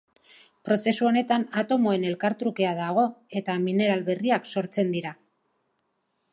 Prozesu honetan atomoen elkartrukea dago eta mineral berriak sortzen dira.